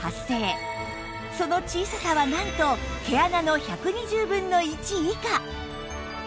その小ささはなんと毛穴の１２０分の１以下